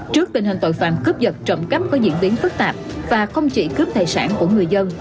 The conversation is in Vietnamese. trước tình hình tội phạm cướp vật trộm cắp có diễn biến phức tạp và không chỉ cướp tài sản của người dân